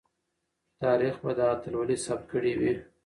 تاریخ به دا اتلولي ثبت کړې وي.